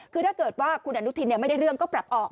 คือถ้าเกิดว่าคุณอนุทินไม่ได้เรื่องก็ปรับออก